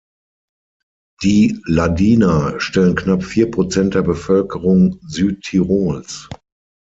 Die Ladiner stellen knapp vier Prozent der Bevölkerung Südtirols.